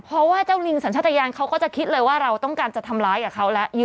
เพราะว่าเจ้าลิงสัญชาติยานเขาก็จะคิดเลยว่าเราต้องการจะทำร้ายกับเขาแล้ว